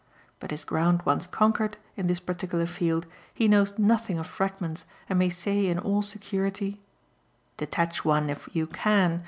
But his ground once conquered, in this particular field, he knows nothing of fragments and may say in all security: "Detach one if you can.